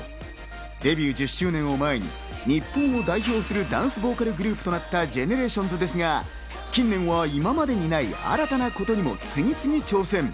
デビュ−１０周年を前に日本を代表するダンスボーカルグループとなったＧＥＮＥＲＡＴＩＯＮＳですが、近年は今までにない、新たなことにも次々挑戦。